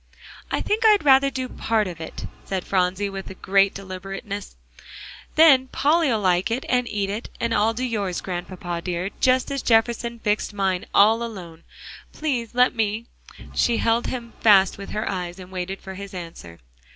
"I think I'd rather do part of it," said Phronsie with great deliberateness, "then Polly'll like it, and eat it, and I'll do yours, Grandpapa dear, just as Jefferson fixed mine, all alone. Please let me." She held him fast with her eyes, and waited for his answer.